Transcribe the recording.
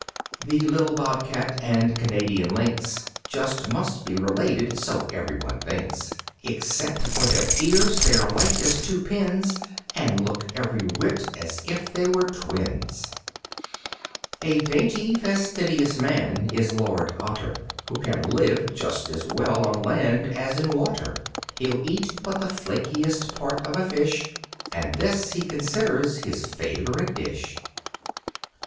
The little Bobcat and Canadian Lynx Just must be related (so everyone thinks). Except for their ears they're alike as two pins, And look every whit as if they were twins. A dainty, fastidious man is Lord Otter Who can live just as well on land as in water, He'll eat but the flakiest part of a fish, And this he considers his favorite dish.